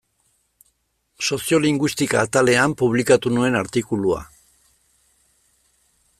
Soziolinguistika atalean publikatu nuen artikulua.